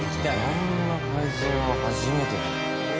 こんな改造は初めてだ。